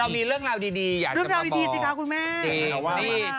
เรามีเรื่องราวดีอยากจะมาบอกเรื่องราวดีสิคะคุณแม่